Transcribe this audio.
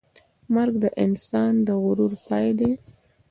مرګ د انسان د غرور پای دی.